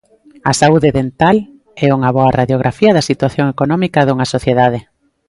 A saúde dental é unha boa radiografía da situación económica dunha sociedade.